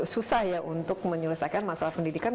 susah ya untuk menyelesaikan masalah pendidikan